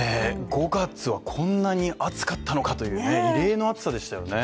５月はこんなに暑かったのかという異例の暑さでしたよね。